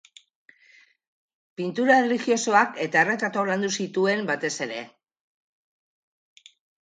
Pintura erlijiosoak eta erretratuak landu zituen, batez ere.